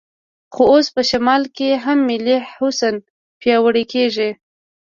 خو اوس په شمال کې هم ملي حس پیاوړی کېږي.